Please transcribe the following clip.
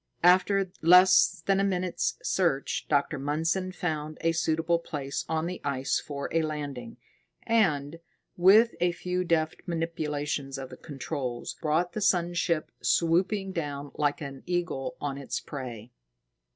After less than a minute's search, Dr. Mundson found a suitable place on the ice for a landing, and, with a few deft manipulations of the controls, brought the sun ship swooping down like an eagle on its prey.